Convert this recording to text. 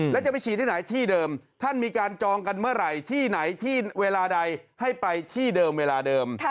แล้วจะไปฉีดที่ไหนที่เดิมท่านมีการจองกันเมื่อไหร่ที่ไหนที่เวลาใดให้ไปที่เดิมเวลาเดิม